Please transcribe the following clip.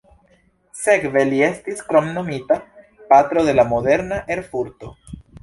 Sekve li estis kromnomita "patro de la moderna Erfurto".